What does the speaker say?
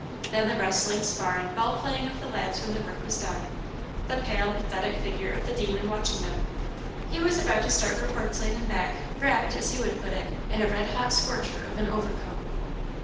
Then the wrestling, sparring, ball playing of the lads when their work was done, the pale, pathetic figure of the Demon watching them. He was about to start for Portslade and back, wrapped, as he would put it, in a red hot scorcher of an overcoat.